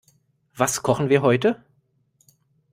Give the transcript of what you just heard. Was kochen wir heute?